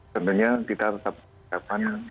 sebenarnya kita tetap menerapkan